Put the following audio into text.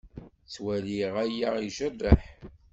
Ttwaliɣ aya ijerreḥ.